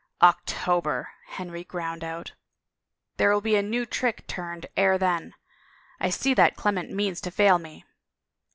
*' October!" Henry ground out. "There will be a new trick turned ere then. I see that Qement means to fail me."